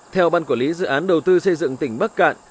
theo ban quản lý dự án đầu tư xây dựng tỉnh bắc cạn